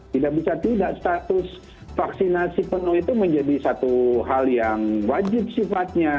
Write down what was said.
tidak bisa tidak status vaksinasi penuh itu menjadi satu hal yang wajib sifatnya